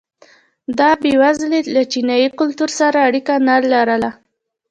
دا بېوزلي له چینايي کلتور سره اړیکه نه لرله.